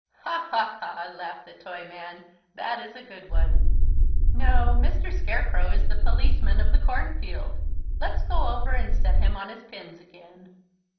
"Ha, ha, ha!" laughed the Toyman. "That is a good one. No, Mr. Scarecrow is the policeman of the cornfield. Let's go over and set him on his pins again."